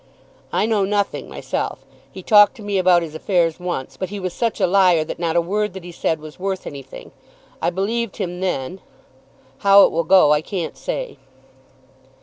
"I know nothing myself. He talked to me about his affairs once, but he was such a liar that not a word that he said was worth anything. I believed him then. How it will go, I can't say."